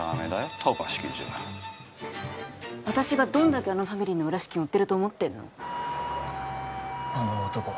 飛ばし記事は私がどんだけあのファミリーの裏資金追ってると思ってんのあの男は？